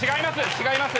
違います